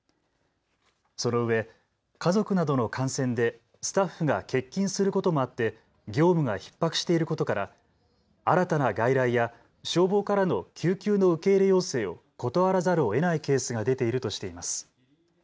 そのうえ家族などの感染でスタッフが欠勤することもあって業務がひっ迫していることから新たな外来や消防からの救急の受け入れ要請を断らざるをえないケースが出ているとしています。